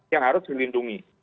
yang harus dilindungi